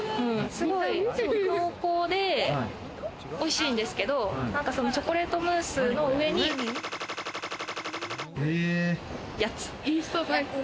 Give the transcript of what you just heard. すごい濃厚でおいしいんですけど、チョコレートムースの上にやつ。